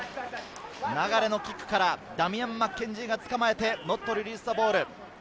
流のキックからダミアン・マッケンジーが捕まえてノットリリースザボール。